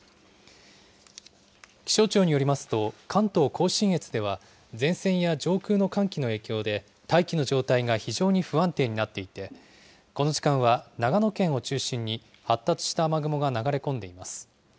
気象庁によりますと、関東甲信越では、前線や上空の寒気の影響で大気の状態が非常に不安定になっていて、この時間は長野県を中心に発達した雨雲が流れ込んでいます。